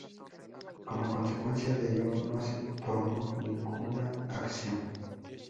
Como consecuencia de ello, no se tomó ninguna acción.